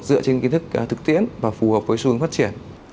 dựa trên kiến thức thực tiễn và phù hợp với xu hướng phát triển